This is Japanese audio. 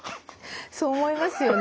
そう思いますよね。